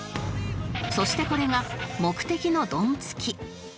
そしてこれが目的のドンツキ